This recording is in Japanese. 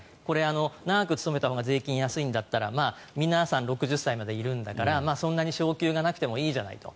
長く勤めたほうが税金が安いんだったら皆さん６０歳までいるんだからそんなに昇給がなくてもいいじゃないと。